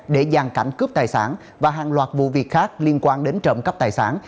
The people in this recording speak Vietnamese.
để gian cảnh cướp tài sản và hàng loạt vụ việc khác liên quan đến trậm cấp tài sản